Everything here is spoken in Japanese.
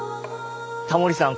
タモリさん